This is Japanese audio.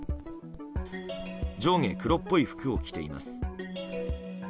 上下黒っぽい服を着ています。